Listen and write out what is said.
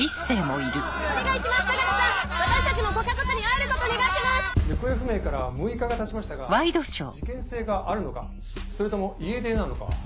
行方不明から６日が経ちましたが事件性があるのかそれとも家出なのか。